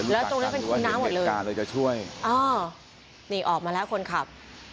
แล้วตรงนั้นเป็นครูน้ำหมดเลยอ๋อนี่ออกมาแล้วคนขับ